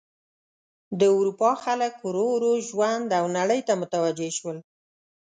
د اروپا خلک ورو ورو ژوند او نړۍ ته متوجه شول.